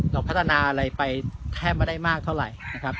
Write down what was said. พัฒนาอะไรไปแทบไม่ได้มากเท่าไหร่นะครับ